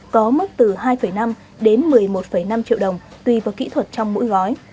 có mức từ hai năm đến một mươi một năm triệu đồng tùy vào kỹ thuật trong mỗi gói